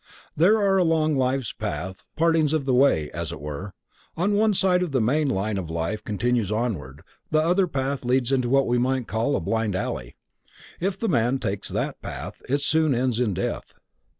There are along life's path partings of the way, as it were; on one side the main line of life continues onward, the other path leads into what we might call a blind alley. If the man takes that path, it soon ends in death.